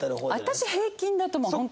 私平均だと思うホントに。